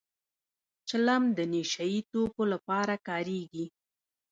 چلم د نشه يي توکو لپاره کارېږي